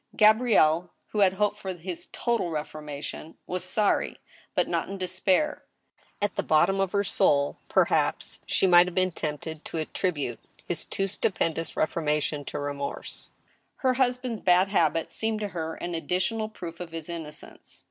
Gabrielle, who had hoped for his total reformation, was sorry, but not in despair. At the bottom of her soul, perhaps, she might have been tempted to attribute his too stupendous reformation to remorse. Her husband's bad habits seemed to her an additional proof of his innocence.